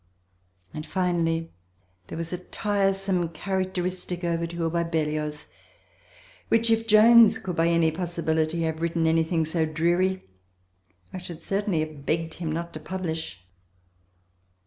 And finally there was a tiresome characteristic overture by Berlioz, which, if Jones could by any possibility have written anything so dreary, I should certainly have begged him not to publish.